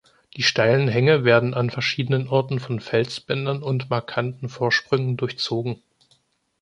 Die steilen Hänge werden an verschiedenen Orten von Felsbändern und markanten Vorsprüngen durchzogen.